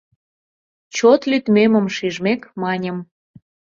Чот лӱдмемым шижмек, маньым: